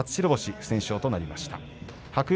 不戦勝となりました。